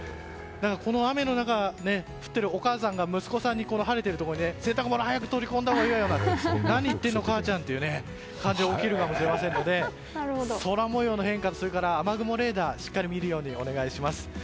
この雨の中降っているところのお母さんが息子さんに晴れているところに洗濯物を早く取り込んだほうがいいわよと何言ってるの母ちゃんみたいな感じで起きるかもしれませんので空模様の変化、雨雲レーダーをしっかり見るようにお願いします。